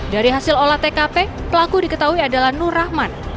dari hasil olah tkp pelaku diketahui adalah nur rahman